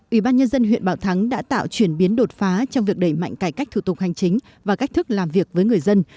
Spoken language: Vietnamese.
ubnd huyện bảo thắng đã tạo chuyển biến đột phá trong việc đẩy mạnh cải cách thủ tục hành chính và cách thức làm việc với người dân